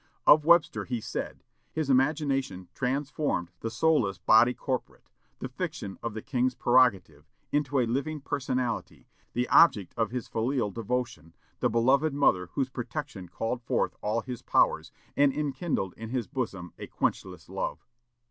Of Webster he said, "His imagination transformed the soulless body corporate the fiction of the king's prerogative into a living personality, the object of his filial devotion, the beloved mother whose protection called forth all his powers, and enkindled in his bosom a quenchless love."